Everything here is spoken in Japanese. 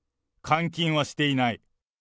監禁はしていない。